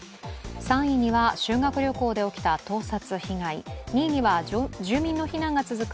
３位には修学旅行で起きた盗撮被害２位には住民の避難が続く